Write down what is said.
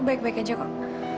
baik baik aja kok